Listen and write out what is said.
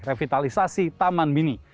revitalisasi taman mini